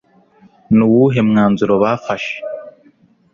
ni uwuhe mwanzuro bafashe